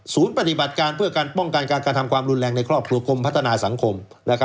ปฏิบัติการเพื่อการป้องกันการกระทำความรุนแรงในครอบครัวกรมพัฒนาสังคม